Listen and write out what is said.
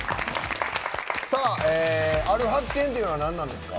ある発見というのはなんなんですか？